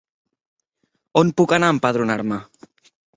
On puc anar a empadronar-me?